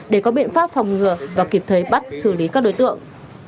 để có biện pháp phòng ngừa và kịp thời bắt xử lý các đối tượng